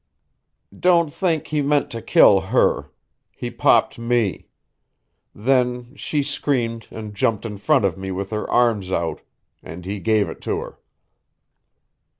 "Don't think he meant to kill her. He popped me. Then she screamed and jumped in front of me with her arms out and he gave it to her."